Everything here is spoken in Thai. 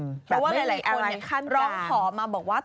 เพราะว่าหลายคนร้องขอมาบอกว่า